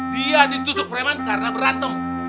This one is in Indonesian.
dia ditusuk preman karena berantem